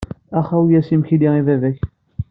Ax awi-yas imekli i baba-k.